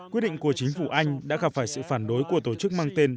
quyết định của chính phủ anh đã gặp phải sự phản đối của tổ chức mang tên